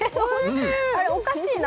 あれ、おかしいな。